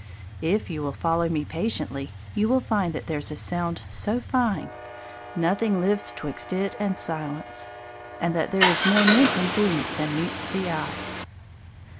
If you will follow me patiently, you will find that "there's a sound so fine, nothing lives 'twixt it and silence," and that there is more meant in things than meets the eye.